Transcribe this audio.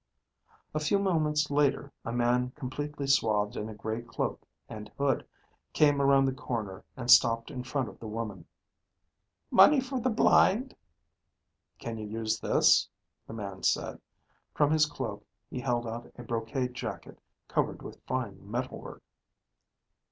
A few moments later, a man completely swathed in a gray cloak and hood came around the corner and stopped in front of the woman. "Money for the blind?" "Can you use this?" the man said. From his cloak he held out a brocade jacket, covered with fine metal work.